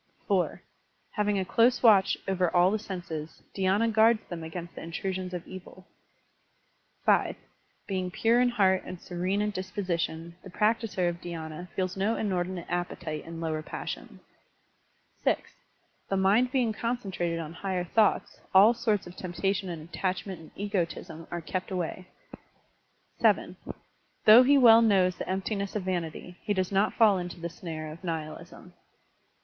(4) Having a close watch over all the senses, dhydna guards them against the intrusion of evils. (5) Being p\u*e in heart and serene in disposition, the practiser of dhydna feels no inordinate appetite in lower passions. (6) The mind being concentrated on higher thoughts, all sorts of temptation and attachment and egotism are kept away. (7) Though he well knows the emptiness of vanity, he does not fall into the snare of nihilism.